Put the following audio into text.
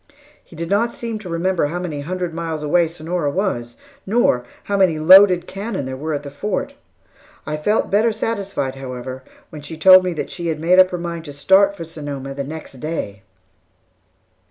He did not seem to remember how many hundred miles away Sonora was, nor how many loaded cannon there were at the Fort. I felt better satisfied, however, when she told me that she had made up her mind to start for Sonoma the next day.